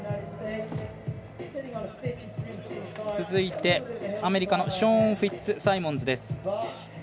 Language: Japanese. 続いて、アメリカのショーン・フィッツサイモンズ。